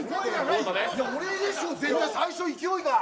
いや俺でしょう絶対最初、勢いが。